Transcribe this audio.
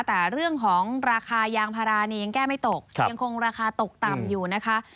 แต่เรื่องของราคายางพาราเนี่ยยังแก้ไม่ตกยังคงราคาตกต่ำอยู่นะคะ